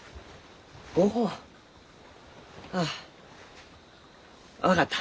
ご本？あ分かった。